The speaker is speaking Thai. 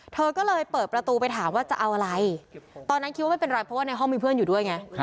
เธอก็เลยเปิดประตูไปถามว่าจะเอาอะไรตอนนั้นคิดว่าไม่เป็นไรเพราะว่าในห้องมีเพื่อนอยู่ด้วยไง